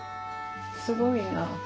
すごいなぁ。